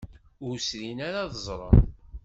Ur srin ara ad ẓren.